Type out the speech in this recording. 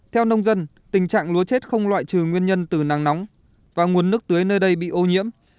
theo nông dân tình trạng lúa chết không loại trừ nguyên nhân từ nắng nóng và nguồn nước tưới nơi đây bị ô nhiễm